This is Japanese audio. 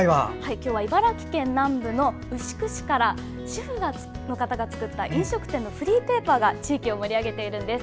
今日は茨城県南部の牛久市から、主婦の方が作った飲食店のフリーペーパーが地域を盛り上げているんです。